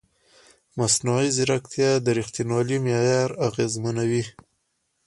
مصنوعي ځیرکتیا د ریښتینولۍ معیار اغېزمنوي.